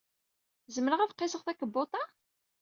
Zemreɣ ad qisseɣ takebbuḍt-a?